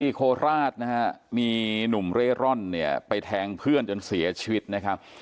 โคราชนะฮะมีหนุ่มเร่ร่อนเนี่ยไปแทงเพื่อนจนเสียชีวิตนะครับ